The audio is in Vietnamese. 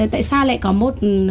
tại sao lại có một